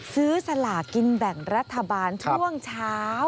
สลากินแบ่งรัฐบาลช่วงเช้า